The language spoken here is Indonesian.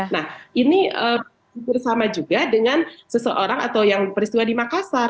nah ini hampir sama juga dengan seseorang atau yang peristiwa di makassar